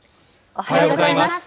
おはようございます。